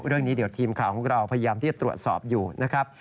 เรื่องนี้เดี๋ยวทีมข่าวของเราพยายามที่จะตรวจสอบอยู่นะครับ